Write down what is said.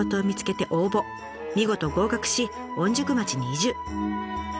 見事合格し御宿町に移住。